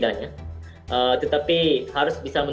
dan mereka akan lebih baik